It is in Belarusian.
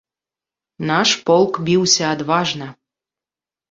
Наш полк біўся адважна.